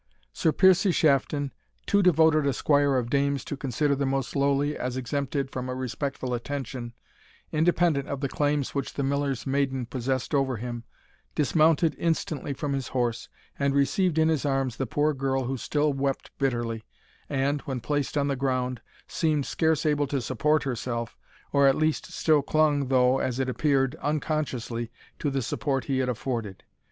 Sir Piercie Shafton, too devoted a squire of dames to consider the most lowly as exempted from a respectful attention, independent of the claims which the Miller's maiden possessed over him, dismounted instantly from his horse, and received in his arms the poor girl, who still wept bitterly, and, when placed on the ground, seemed scarce able to support herself, or at least still clung, though, as it appeared, unconsciously, to the support he had afforded.